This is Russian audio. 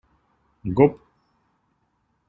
Гоп!